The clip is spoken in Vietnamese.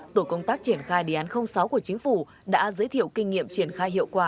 tổ công tác triển khai đề án sáu của chính phủ đã giới thiệu kinh nghiệm triển khai hiệu quả